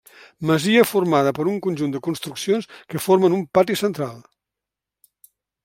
Masia formada per un conjunt de construccions que formen un pati central.